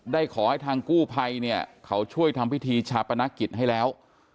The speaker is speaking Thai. ได้ขอให้ทางกู้ไภเขาช่วยทำพิธีฉาปนักขิตให้แล้ว